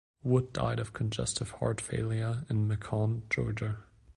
Wood died of congestive heart failure in Macon, Georgia.